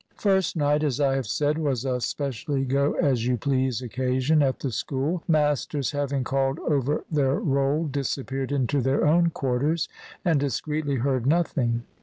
First night, as I have said, was a specially "go as you please" occasion at the school. Masters, having called over their roll, disappeared into their own quarters and discreetly heard nothing.